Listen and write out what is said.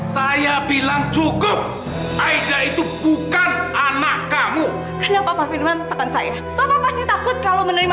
saya bilang cukup aida itu bukan anak kamu kenapa minuman teman saya bapak pasti takut kalau menerima